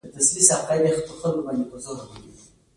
يوه داسې کيسه وه چې ما ډراماتيکه کوله.